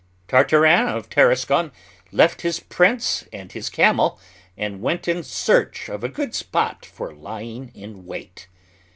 Tartarin of Tarascon left his prince and his camel and went in search of a good spot for lying in wait.